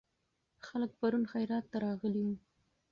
خلک پرون خیرات ته راغلي وو.